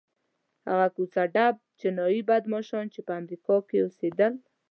هغه کوڅه ډب جنایي بدماشان چې په امریکا کې اوسېدل.